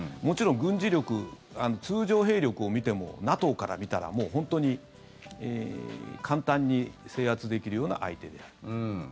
もちろん軍事力通常兵力を見てもＮＡＴＯから見たら本当に簡単に制圧できるような相手である。